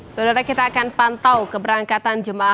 saudara kita akan pantau keberangkatan jemaah